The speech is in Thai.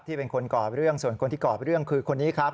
เป็นคนก่อเรื่องส่วนคนที่ก่อเรื่องคือคนนี้ครับ